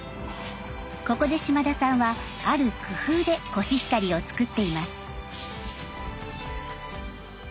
ここで嶋田さんはある工夫でコシヒカリを作っています。